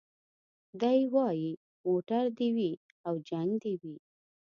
دی وايي موټر دي وي او جنګ دي وي